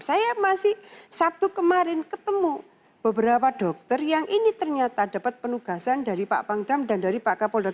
saya masih sabtu kemarin ketemu beberapa dokter yang ini ternyata dapat penugasan dari pak pangdam dan dari pak kapolda